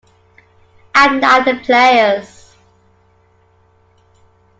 I'm not the players.